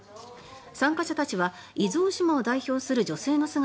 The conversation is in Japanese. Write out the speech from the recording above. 参加者たちは伊豆大島を代表する女性の姿